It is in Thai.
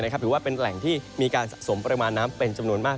ถือว่าเป็นแหล่งที่มีการสะสมปริมาณน้ำเป็นจำนวนมาก